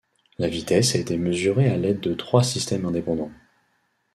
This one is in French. La vitesse a été mesurée à l'aide de trois systèmes indépendants.